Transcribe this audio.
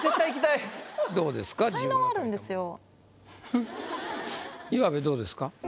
どうですか？